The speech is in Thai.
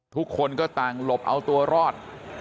ทุกคนก็ต่างหลบเอาตัวรอด